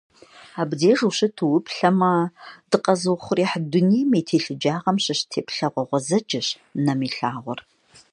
Абдеж ущыту уплъэмэ, дыкъэзыухъуреихь дунейм и телъыджагъым щыщ теплъэгъуэ гъуэзэджэщ нэм илъагъур.